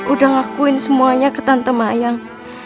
udah ngakuin semuanya ke tante mayang